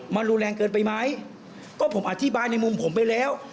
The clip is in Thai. มันรุนแรงเกินไปไหมก็ผมอธิบายในมุมผมไปแล้ว